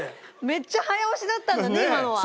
めっちゃ早押しだったんだね今のは。